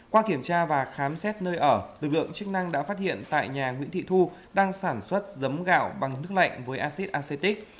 qua kiểm tra và khám xét nơi ở lực lượng chức năng đã phát hiện tại nhà nguyễn thị thu đang sản xuất giống gạo bằng nước lạnh với acid acitic